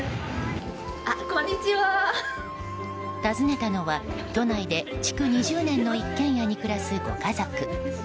訪ねたのは都内で築２０年の一軒家に暮らすご家族。